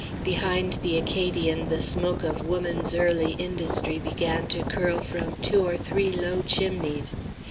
Behind the Acadian the smoke of woman's early industry began to curl from two or three low chimneys.